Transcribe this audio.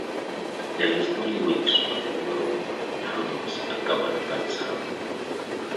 There is no limit on the number of terms a governor can serve.